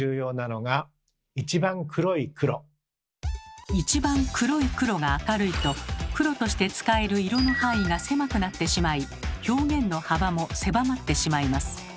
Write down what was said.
この一番黒い黒が明るいと黒として使える色の範囲が狭くなってしまい表現の幅も狭まってしまいます。